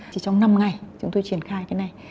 chỉ trong năm ngày chúng tôi triển khai cái này